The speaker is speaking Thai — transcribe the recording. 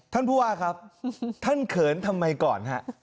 ท่านผู้ว่าครับท่านเขินทำไมก่อนฮะ